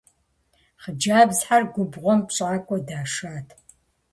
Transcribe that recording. Хъыджэбзхэр губгъуэм пщӀакӀуэ дашат.